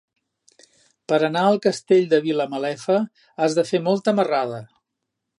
Per anar al Castell de Vilamalefa has de fer molta marrada.